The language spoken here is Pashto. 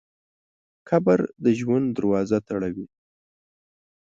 قبر د ژوند دروازه تړوي.